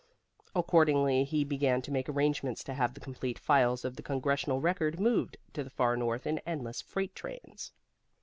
Accordingly he began to make arrangements to have the complete files of the Congressional Record moved to the far north in endless freight trains.